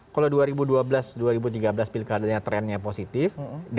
kalau dua ribu dua belas dua ribu tiga belas pilkadanya trennya positif